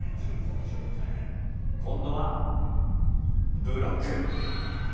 今度はブロック！